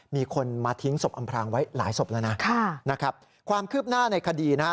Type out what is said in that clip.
มีคนมาทิ้งศพอำพรางไว้หลายศพแล้วนะค่ะนะครับความคืบหน้าในคดีนะฮะ